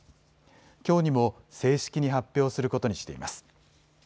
きょうにも正式に発表することにしています。